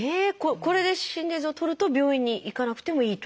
これで心電図をとると病院に行かなくてもいいと。